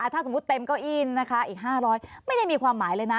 ถ้าสมมุติเต็มเก้าอี้นะคะอีก๕๐๐ไม่ได้มีความหมายเลยนะ